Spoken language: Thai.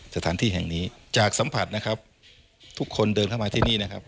สถานที่แห่งนี้จากสัมผัสนะครับทุกคนเดินเข้ามาที่นี่นะครับ